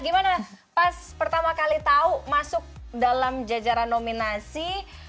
gimana pas pertama kali tahu masuk dalam jajaran nominasi